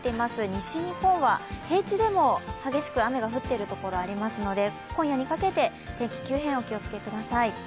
西日本は平地でも激しく雨が降っているところがありますので、今夜にかけて天気急変、お気をつけください。